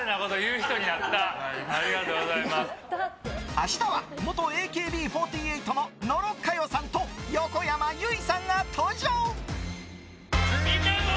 明日は、元ＡＫＢ４８の野呂佳代さんと横山由依さんが登場。